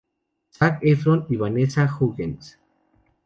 Zac Efron y Vanessa Hudgens.